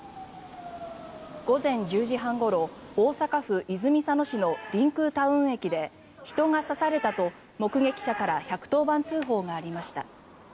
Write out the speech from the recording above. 午前１０時半ごろ大阪府泉佐野市のりんくうタウン駅で人が刺されたと目撃者から１１０番通報がありました。